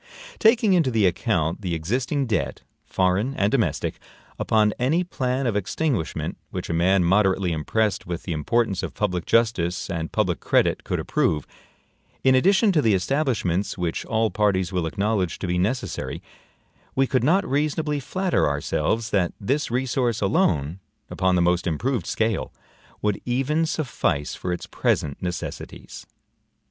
Taking into the account the existing debt, foreign and domestic, upon any plan of extinguishment which a man moderately impressed with the importance of public justice and public credit could approve, in addition to the establishments which all parties will acknowledge to be necessary, we could not reasonably flatter ourselves, that this resource alone, upon the most improved scale, would even suffice for its present necessities.